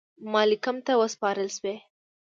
مالکم ته وسپارل سوې.